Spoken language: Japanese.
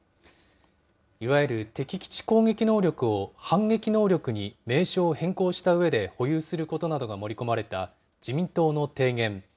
いわゆる敵基地攻撃能力を反撃能力に名称を変更したうえで保有することなどが盛り込まれた、自民党の提言。